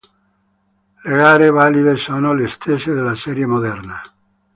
Le gare valide sono le stesse della serie moderna.